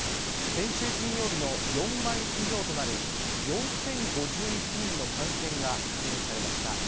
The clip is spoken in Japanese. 先週金曜日の４倍以上となる、４０５１人の感染が確認されました。